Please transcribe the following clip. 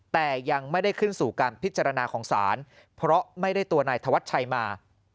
แต่ยังไม่ได้ขึ้นสู่การพิจารณาของศาลเพราะไม่ได้ตัวนายธวัชชัยมา